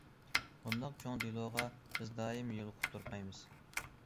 بۇنداق چوڭ دېلوغا بىز دائىم يولۇقۇپ تۇرمايمىز.